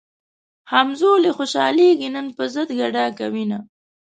همزولي خوشحالېږي نن پۀ ضد ګډا کوينه